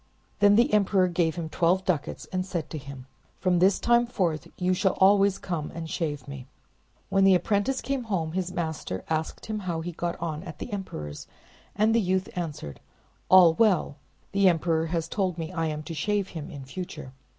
Then the emperor gave him twelve ducats, and said to him— "From this time forth you shall always come and shave me. When the apprentice came home, his master asked him how he got on at the emperor's, and the youth answered— "All well; and the emperor has told me that I am to shave him in future."